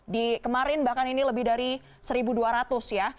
di kemarin bahkan ini lebih dari satu dua ratus ya